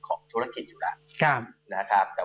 ของธุรกิจอยู่แล้วนะครับ